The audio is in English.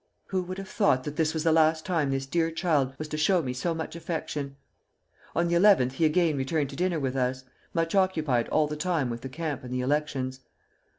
Who would have thought that this was the last time this dear child was to show me so much affection! On the 11th he again returned to dinner with us, much occupied all the time with the camp and the elections....